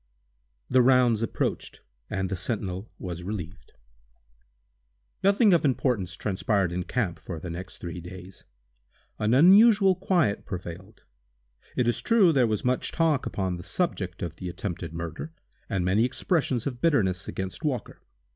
The "rounds" approached, and the sentinel was relieved. Nothing of importance transpired in camp for the next three days. An unusual quiet prevailed. It is true, there was much talk upon the subject of the attempted murder, and many expressions of bitterness against Walker.